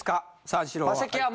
三四郎は。